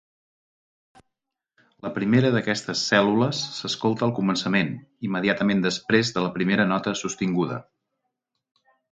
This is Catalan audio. La primera d'aquestes cèl·lules s'escolta al començament, immediatament després de la primera nota sostinguda.